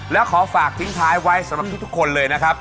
แล้วขอฝากทิ้งท้ายไว้สำหรับททุกคน